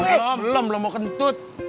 belum belum mau kentut